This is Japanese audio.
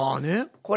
これ。